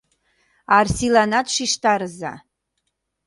Арсиланат шижтарыза.